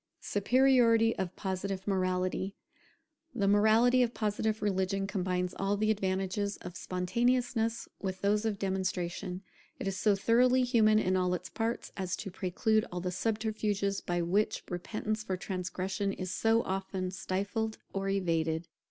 [Superiority of Positive morality] The morality of Positive religion combines all the advantages of spontaneousness with those of demonstration. It is so thoroughly human in all its parts, as to preclude all the subterfuges by which repentance for transgression is so often stifled or evaded.